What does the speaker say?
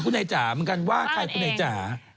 คุณไอจ๋าบอกว่าใครคุณไอจ๋า